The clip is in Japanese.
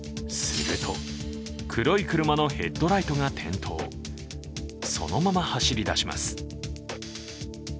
すると、黒い車のヘッドライトが点灯、そのまま走り出します。